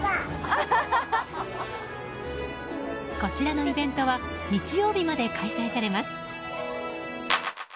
こちらのイベントは日曜日まで開催されます。